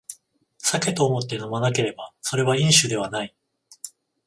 酒と思って飲まなければそれは飲酒ではない